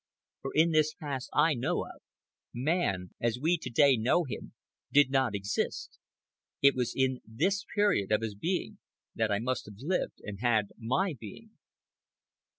For in this past I know of, man, as we to day know him, did not exist. It was in the period of his becoming that I must have lived and had my being.